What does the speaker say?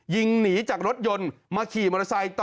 ยิงหนีจากรถยนต์มาขี่มอเตอร์ไซค์ต่อ